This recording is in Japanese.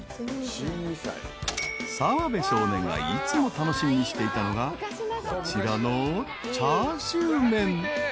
［澤部少年がいつも楽しみにしていたのがこちらの］